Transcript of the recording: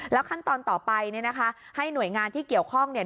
ขั้นตอนต่อไปเนี่ยนะคะให้หน่วยงานที่เกี่ยวข้องเนี่ย